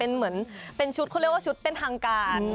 เป็นเหมือนเป็นชุดเขาเรียกว่าชุดเป็นทางการ